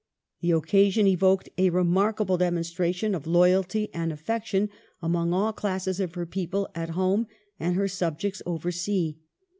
The occasion evoked a remarkable demonstration of loyalty and affection among all classes of her people at home and her subjects over sea.